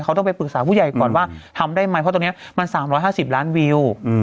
เขาต้องไปปรึกษาผู้ใหญ่ก่อนว่าทำได้ไหมเพราะตรงนี้มัน๓๕๐ล้านวิว